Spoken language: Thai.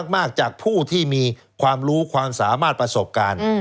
มากจากผู้ที่มีความรู้ความสามารถประสบการณ์